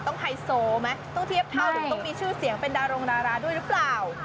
ไฮโซไหมต้องเทียบเท่าถึงต้องมีชื่อเสียงเป็นดารงดาราด้วยหรือเปล่า